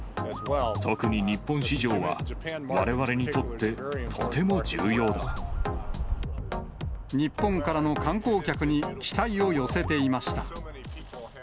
特に日本市場は、日本からの観光客に期待を寄せていました。